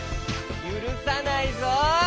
ゆるさないぞ！